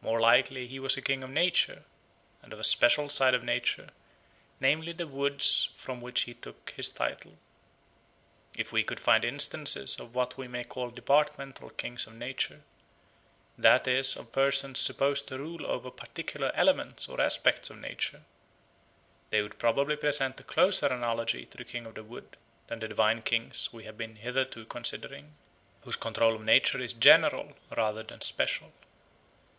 More likely he was a king of nature, and of a special side of nature, namely, the woods from which he took his title. If we could find instances of what we may call departmental kings of nature, that is of persons supposed to rule over particular elements or aspects of nature, they would probably present a closer analogy to the King of the Wood than the divine kings we have been hitherto considering, whose control of nature is general rather than special.